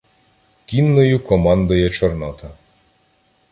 Кінною командує Чорнота.